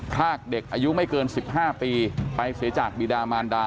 พรากเด็กอายุไม่เกิน๑๕ปีไปเสียจากบิดามานดา